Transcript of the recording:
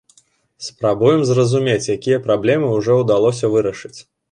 Спрабуем зразумець, якія праблемы ўжо ўдалося вырашыць.